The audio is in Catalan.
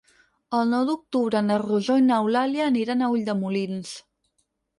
El nou d'octubre na Rosó i n'Eulàlia aniran a Ulldemolins.